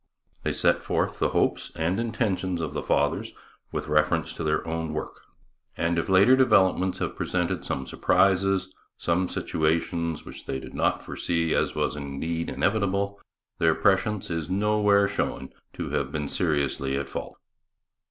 They set forth the hopes and intentions of the Fathers with reference to their own work; and if later developments have presented some surprises, some situations which they did not foresee, as was indeed inevitable, their prescience is nowhere shown to have been seriously at fault.